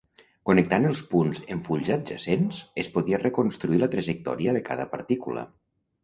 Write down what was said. Connectant els punts en fulls adjacents, es podia reconstruir la trajectòria de cada partícula.